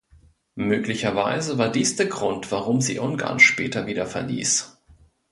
Möglicherweise war dies der Grund, warum sie Ungarn später wieder verließ.